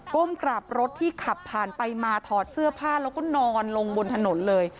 ้มกลับรถที่ขับผ่านไปมาถอดเสื้อผ้าแล้วก็นอนลงบนถนนเลย